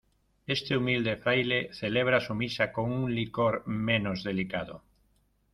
este humilde fraile celebra su misa con un licor menos delicado.